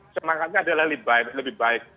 semangatnya adalah lebih baik